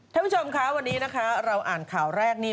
ทุกผู้ชมคะวันนี้เราอ่านข่าวแรกนี้